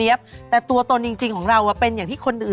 อุ๊ยน่ารักหญิงก็เป็นเจ้าติดน่ะสิ